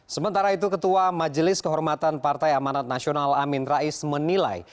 sementara itu ketua majelis kehormatan partai amanat nasional amin rais menilai